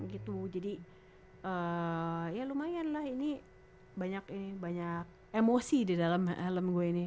gitu jadi ya lumayan lah ini banyak emosi di dalam helm gue ini